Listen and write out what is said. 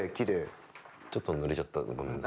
ちょっと濡れちゃったごめんね。